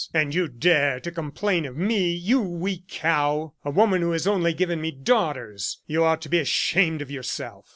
"And you dare to complain of me, you weak cow! ... A woman who has only given me daughters. You ought to be ashamed of yourself."